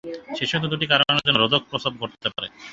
শেষোক্ত দুটি কারণের জন্য রোধক প্রসব ঘটতে পারে।